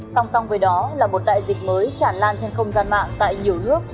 song song với đó là một đại dịch mới tràn lan trên không gian mạng tại nhiều nước